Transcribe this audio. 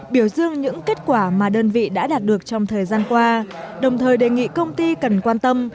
biểu dương những kết quả mà đơn vị đã đạt được trong thời gian qua đồng thời đề nghị công ty cần quan tâm